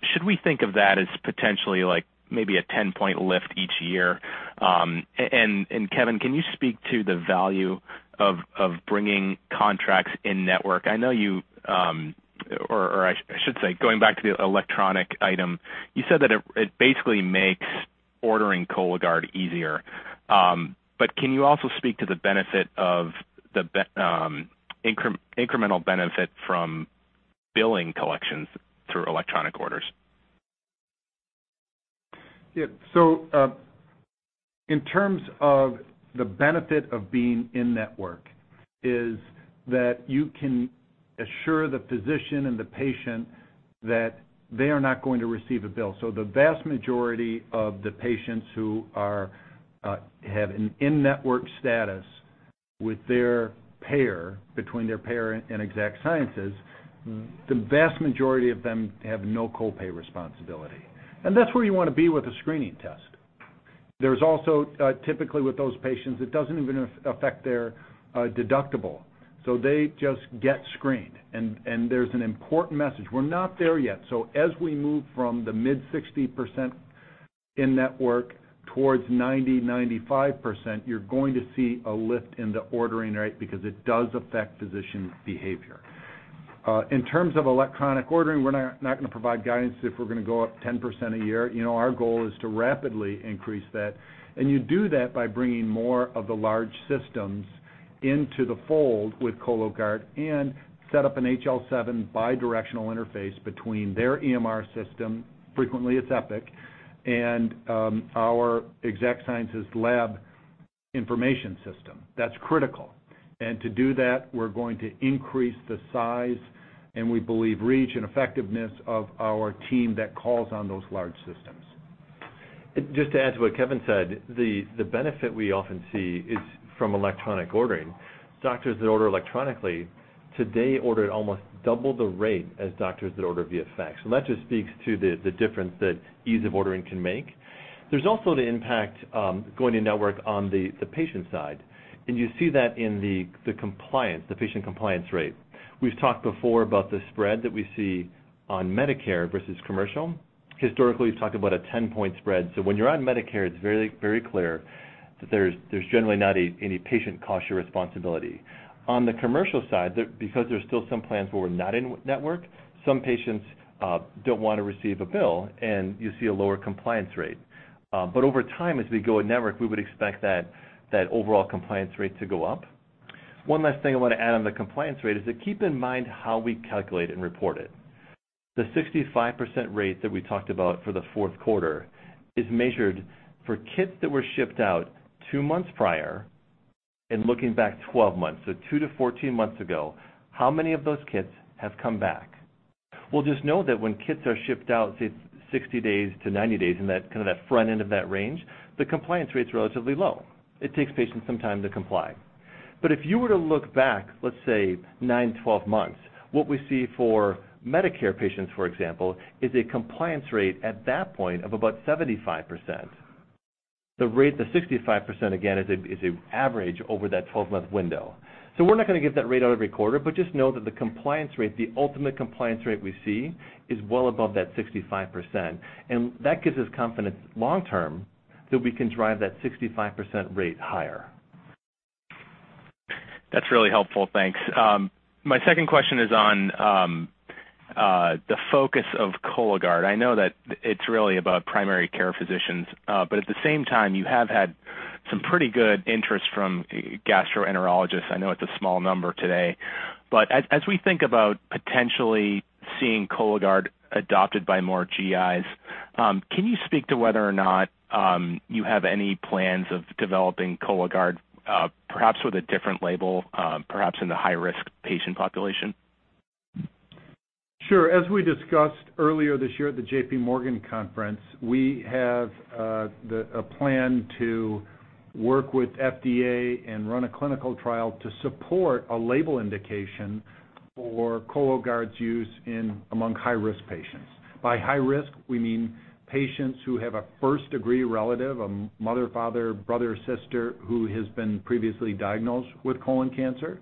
should we think of that as potentially maybe a 10-point lift each year? Kevin, can you speak to the value of bringing contracts in-network? I know you—or I should say, going back to the electronic item, you said that it basically makes ordering Cologuard easier. Can you also speak to the benefit of the incremental benefit from billing collections through electronic orders? Yeah. In terms of the benefit of being in-network, you can assure the physician and the patient that they are not going to receive a bill. The vast majority of the patients who have an in-network status with their payer, between their payer and Exact Sciences, the vast majority of them have no copay responsibility. That is where you want to be with a screening test. Typically with those patients, it does not even affect their deductible. They just get screened. There is an important message. We are not there yet. As we move from the mid-60% in-network towards 90%-95%, you are going to see a lift in the ordering rate because it does affect physician behavior. In terms of electronic ordering, we are not going to provide guidance if we are going to go up 10% a year. Our goal is to rapidly increase that. You do that by bringing more of the large systems into the fold with Cologuard and set up an HL7 bidirectional interface between their EMR system, frequently it's Epic, and our Exact Sciences lab information system. That's critical. To do that, we're going to increase the size and we believe reach and effectiveness of our team that calls on those large systems. Just to add to what Kevin said, the benefit we often see is from electronic ordering. Doctors that order electronically today order at almost double the rate as doctors that order via fax. That just speaks to the difference that ease of ordering can make. There is also the impact going in-network on the patient side. You see that in the patient compliance rate. We have talked before about the spread that we see on Medicare versus commercial. Historically, we have talked about a 10-point spread. When you are on Medicare, it is very clear that there is generally not any patient cost or responsibility. On the commercial side, because there are still some plans where we are not in-network, some patients do not want to receive a bill, and you see a lower compliance rate. Over time, as we go in-network, we would expect that overall compliance rate to go up. One last thing I want to add on the compliance rate is to keep in mind how we calculate and report it. The 65% rate that we talked about for the fourth quarter is measured for kits that were shipped out two months prior and looking back 12 months. So 2-14 months ago, how many of those kits have come back? Just know that when kits are shipped out, say 60 days to 90 days, in that kind of that front end of that range, the compliance rate's relatively low. It takes patients some time to comply. If you were to look back, let's say 9, 12 months, what we see for Medicare patients, for example, is a compliance rate at that point of about 75%. The 65%, again, is an average over that 12-month window. We're not going to get that rate out every quarter, but just know that the ultimate compliance rate we see is well above that 65%. That gives us confidence long-term that we can drive that 65% rate higher. That's really helpful. Thanks. My second question is on the focus of Cologuard. I know that it's really about primary care physicians. At the same time, you have had some pretty good interest from gastroenterologists. I know it's a small number today. As we think about potentially seeing Cologuard adopted by more GIs, can you speak to whether or not you have any plans of developing Cologuard, perhaps with a different label, perhaps in the high-risk patient population? Sure. As we discussed earlier this year at the J.P. Morgan conference, we have a plan to work with FDA and run a clinical trial to support a label indication for Cologuard's use among high-risk patients. By high-risk, we mean patients who have a first-degree relative, a mother, father, brother, or sister who has been previously diagnosed with colon cancer,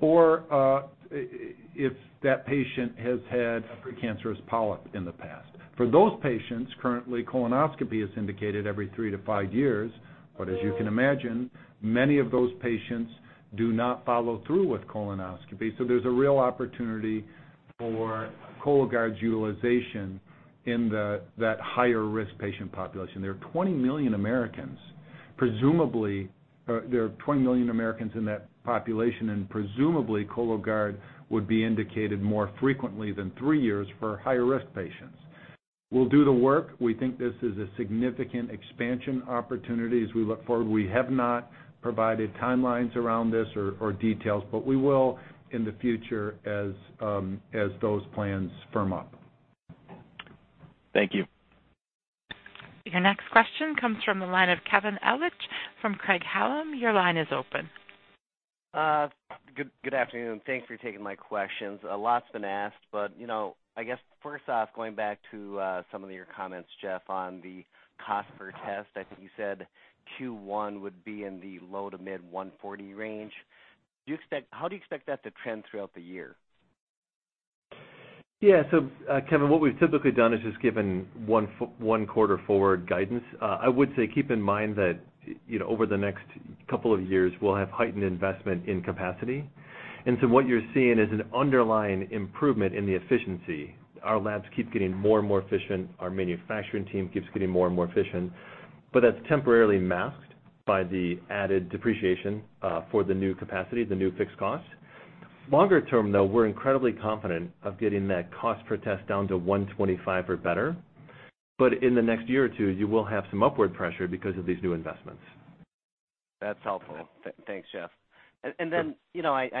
or if that patient has had a precancerous polyp in the past. For those patients, currently, colonoscopy is indicated every three to five years. As you can imagine, many of those patients do not follow through with colonoscopy. There is a real opportunity for Cologuard's utilization in that higher-risk patient population. There are 20 million Americans. There are 20 million Americans in that population, and presumably, Cologuard would be indicated more frequently than three years for higher-risk patients. We'll do the work. We think this is a significant expansion opportunity as we look forward. We have not provided timelines around this or details, but we will in the future as those plans firm up. Thank you. Your next question comes from the line of Kevin Ellich from Craig-Hallum. Your line is open. Good afternoon. Thanks for taking my questions. A lot's been asked. I guess first off, going back to some of your comments, Jeff, on the cost per test, I think you said Q1 would be in the low to mid-$140 range. How do you expect that to trend throughout the year? Yeah. Kevin, what we've typically done is just given one quarter forward guidance. I would say keep in mind that over the next couple of years, we'll have heightened investment in capacity. What you're seeing is an underlying improvement in the efficiency. Our labs keep getting more and more efficient. Our manufacturing team keeps getting more and more efficient. That is temporarily masked by the added depreciation for the new capacity, the new fixed costs. Longer term, though, we're incredibly confident of getting that cost per test down to $125 or better. In the next year or two, you will have some upward pressure because of these new investments. That's helpful. Thanks, Jeff. I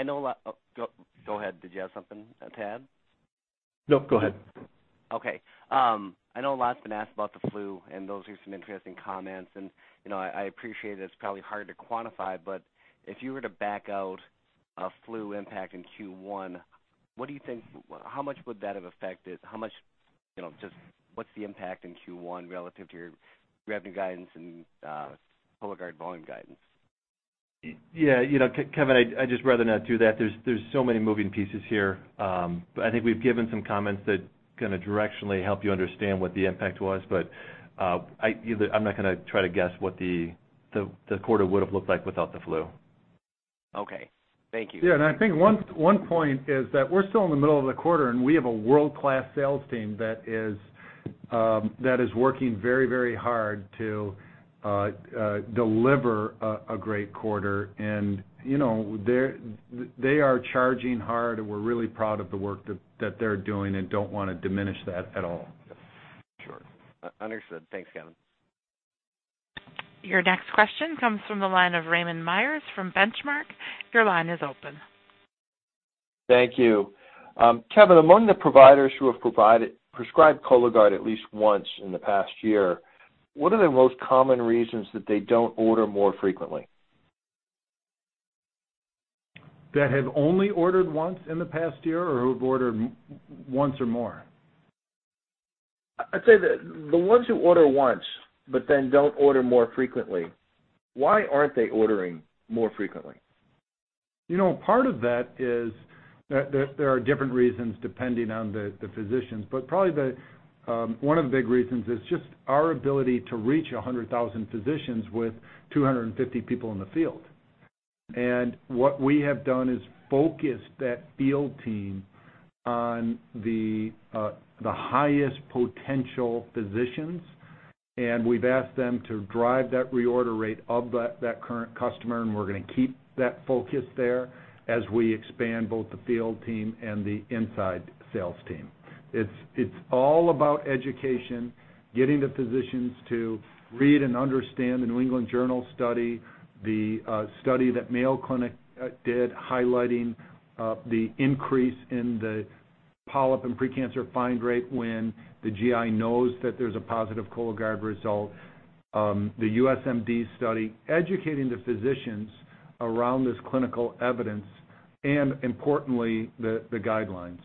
know a lot—go ahead. Did you have something to add? No, go ahead. Okay. I know a lot's been asked about the flu, and those are some interesting comments. I appreciate it. It's probably hard to quantify. If you were to back out a flu impact in Q1, what do you think? How much would that have affected? Just what's the impact in Q1 relative to your revenue guidance and Cologuard volume guidance? Yeah. Kevin, I just rather not do that. There are so many moving pieces here. I think we have given some comments that kind of directionally help you understand what the impact was. I am not going to try to guess what the quarter would have looked like without the flu. Okay. Thank you. Yeah. I think one point is that we're still in the middle of the quarter, and we have a world-class sales team that is working very, very hard to deliver a great quarter. They are charging hard, and we're really proud of the work that they're doing and don't want to diminish that at all. Sure. Understood. Thanks, Kevin. Your next question comes from the line of Raymond Myers from Benchmark. Your line is open. Thank you. Kevin, among the providers who have prescribed Cologuard at least once in the past year, what are the most common reasons that they don't order more frequently? That have only ordered once in the past year or who have ordered once or more? I'd say the ones who order once but then don't order more frequently, why aren't they ordering more frequently? Part of that is there are different reasons depending on the physicians. Probably one of the big reasons is just our ability to reach 100,000 physicians with 250 people in the field. What we have done is focused that field team on the highest potential physicians. We have asked them to drive that reorder rate of that current customer. We are going to keep that focus there as we expand both the field team and the inside sales team. It is all about education, getting the physicians to read and understand the New England Journal study, the study that Mayo Clinic did highlighting the increase in the polyp and precancer find rate when the GI knows that there is a positive Cologuard result, the USMD study, educating the physicians around this clinical evidence, and importantly, the guidelines.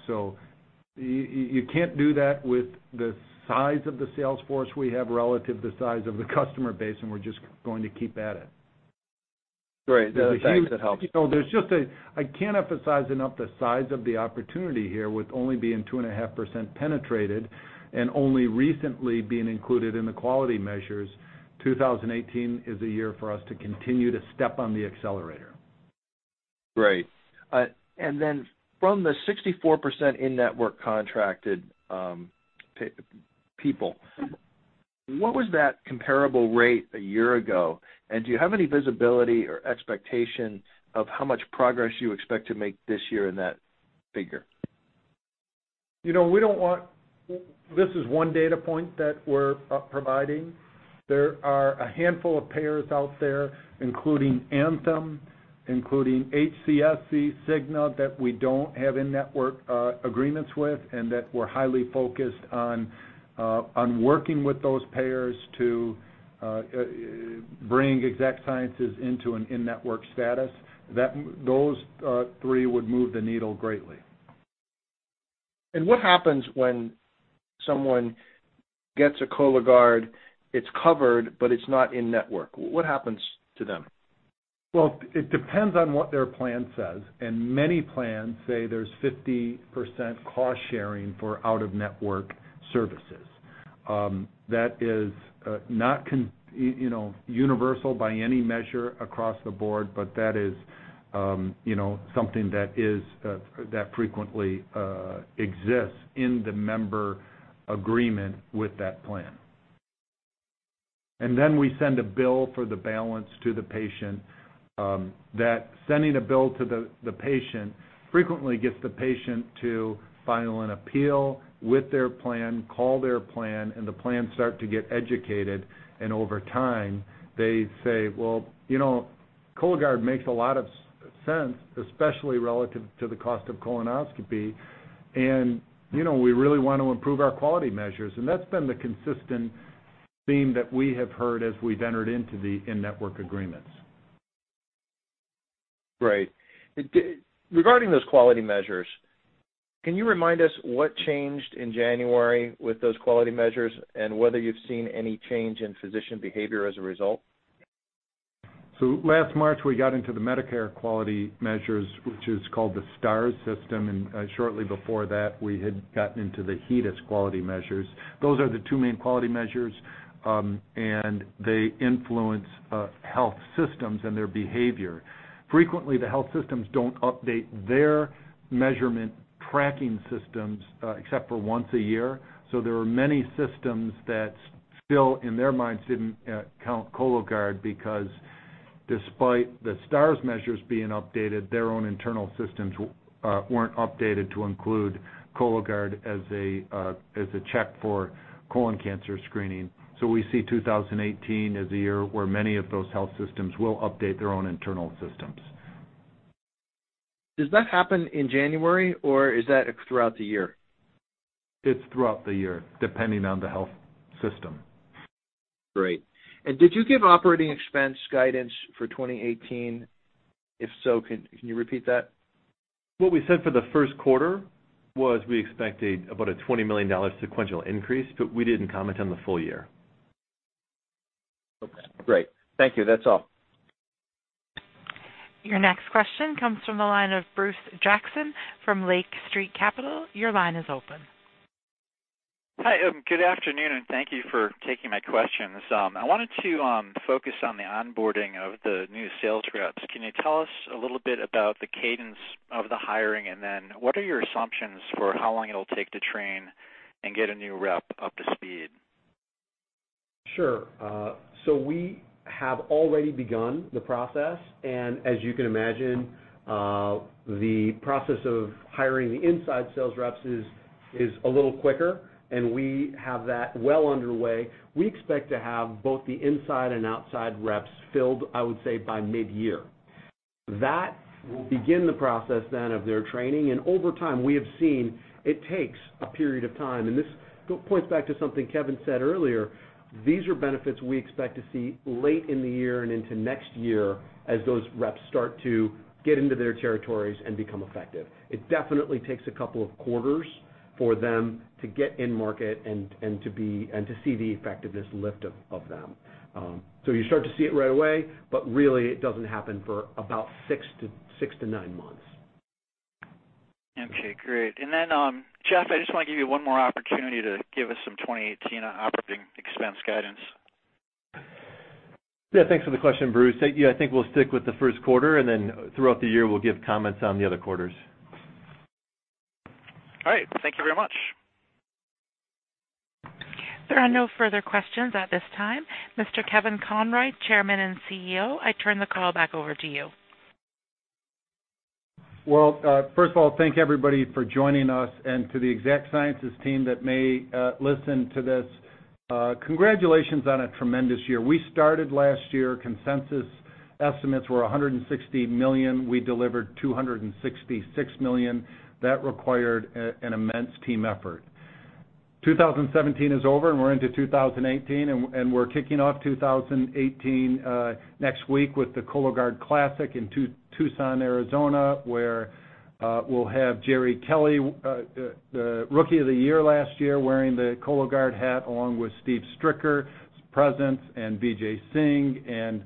You can't do that with the size of the salesforce we have relative to the size of the customer base, and we're just going to keep at it. Great. That helps. is just a—I cannot emphasize enough the size of the opportunity here with only being 2.5% penetrated and only recently being included in the quality measures. 2018 is a year for us to continue to step on the accelerator. Great. From the 64% in-network contracted people, what was that comparable rate a year ago? Do you have any visibility or expectation of how much progress you expect to make this year in that figure? We don't want—this is one data point that we're providing. There are a handful of payers out there, including Anthem, including HCSC, Cigna, that we don't have in-network agreements with and that we're highly focused on working with those payers to bring Exact Sciences into an in-network status. Those three would move the needle greatly. What happens when someone gets a Cologuard? It's covered, but it's not in-network. What happens to them? It depends on what their plan says. Many plans say there's 50% cost sharing for out-of-network services. That is not universal by any measure across the board, but that is something that frequently exists in the member agreement with that plan. We send a bill for the balance to the patient. That sending a bill to the patient frequently gets the patient to file an appeal with their plan, call their plan, and the plans start to get educated. Over time, they say, "Cologuard makes a lot of sense, especially relative to the cost of colonoscopy. We really want to improve our quality measures." That has been the consistent theme that we have heard as we've entered into the in-network agreements. Great. Regarding those quality measures, can you remind us what changed in January with those quality measures and whether you've seen any change in physician behavior as a result? Last March, we got into the Medicare quality measures, which is called the STARS system. Shortly before that, we had gotten into the HEDIS quality measures. Those are the two main quality measures, and they influence health systems and their behavior. Frequently, the health systems do not update their measurement tracking systems except for once a year. There are many systems that still, in their minds, did not count Cologuard because despite the STARS measures being updated, their own internal systems were not updated to include Cologuard as a check for colon cancer screening. We see 2018 as a year where many of those health systems will update their own internal systems. Does that happen in January, or is that throughout the year? It's throughout the year, depending on the health system. Great. Did you give operating expense guidance for 2018? If so, can you repeat that? What we said for the first quarter was we expected about a $20 million sequential increase, but we didn't comment on the full year. Okay. Great. Thank you. That's all. Your next question comes from the line of Bruce Jackson from Lake Street Capital. Your line is open. Hi. Good afternoon, and thank you for taking my questions. I wanted to focus on the onboarding of the new sales reps. Can you tell us a little bit about the cadence of the hiring, and then what are your assumptions for how long it'll take to train and get a new rep up to speed? Sure. We have already begun the process. As you can imagine, the process of hiring the inside sales reps is a little quicker. We have that well underway. We expect to have both the inside and outside reps filled, I would say, by mid-year. That will begin the process then of their training. Over time, we have seen it takes a period of time. This points back to something Kevin said earlier. These are benefits we expect to see late in the year and into next year as those reps start to get into their territories and become effective. It definitely takes a couple of quarters for them to get in market and to see the effectiveness lift of them. You start to see it right away, but really, it does not happen for about six to nine months. Okay. Great. Jeff, I just want to give you one more opportunity to give us some 2018 operating expense guidance. Yeah. Thanks for the question, Bruce. I think we'll stick with the first quarter, and then throughout the year, we'll give comments on the other quarters. All right. Thank you very much. There are no further questions at this time. Mr. Kevin Conroy, Chairman and CEO, I turn the call back over to you. First of all, thank everybody for joining us and to the Exact Sciences team that may listen to this. Congratulations on a tremendous year. We started last year. Consensus estimates were $160 million. We delivered $266 million. That required an immense team effort. 2017 is over, and we're into 2018. We're kicking off 2018 next week with the Cologuard Classic in Tucson, Arizona, where we'll have Jerry Kelly, the Rookie of the Year last year, wearing the Cologuard hat along with Steve Stricker's presence and Vijay Singh and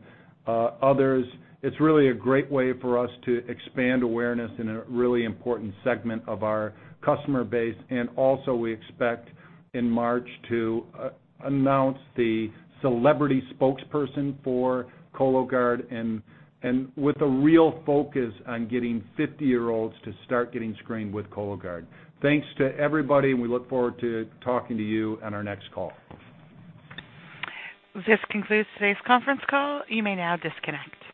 others. It's really a great way for us to expand awareness in a really important segment of our customer base. Also, we expect in March to announce the celebrity spokesperson for Cologuard and with a real focus on getting 50-year-olds to start getting screened with Cologuard. Thanks to everybody, and we look forward to talking to you on our next call. This concludes today's conference call. You may now disconnect.